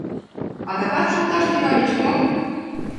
— Адак шолташ тӱҥальыч мо?